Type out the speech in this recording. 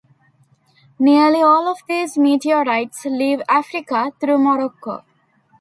Nearly all of these meteorites leave Africa through Morocco.